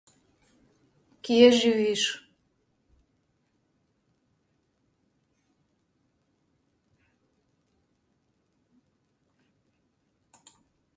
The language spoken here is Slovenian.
Kje živiš?